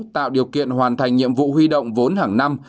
tạo điều kiện hoàn thành nhiệm vụ huy động vốn hàng năm